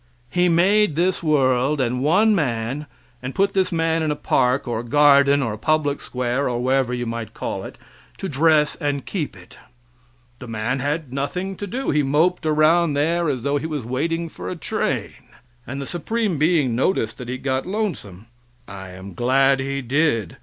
He made this world and one man, and put this man in a park, or garden, or public square, or whatever you might call it, to dress and keep it. The man had nothing to do. He moped around there as though he was waiting for a train. And the supreme being noticed that he got lonesome I am glad He did!